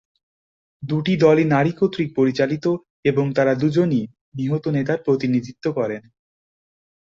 দুটি দলই নারী কর্তৃক পরিচালিত এবং তারা দুজনই নিহত নেতার প্রতিনিধিত্ব করেন।